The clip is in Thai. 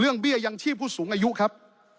เบี้ยยังชีพผู้สูงอายุครับ